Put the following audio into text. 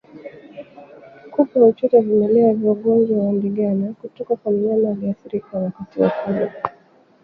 Kupe huchota vimelea vya ugonjwa wa ndigana kutoka kwa mnyama aliyeathirika wakati wa kula